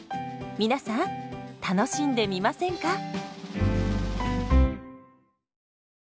皆さん楽しんでみませんか？